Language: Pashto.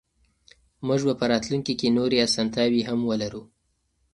موږ به په راتلونکي کې نورې اسانتیاوې هم ولرو.